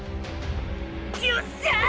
よっしゃぁ！